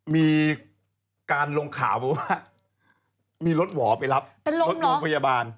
มีการลงข่าวบอกว่ามีรถหวอไปรับรถโรงพยาบาล